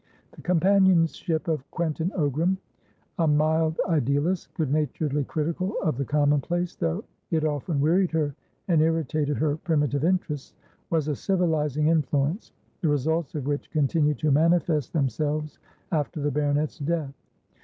The companionship of Quentin Ogram, a mild idealist, good naturedly critical of the commonplace, though it often wearied her and irritated her primitive interests, was a civilising influence, the results of which continued to manifest themselves after the baronet's death.